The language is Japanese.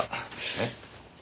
えっ？